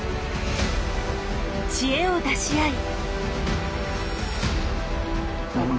知恵を出し合い。